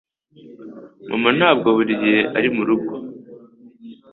Mama ntabwo buri gihe ari murugo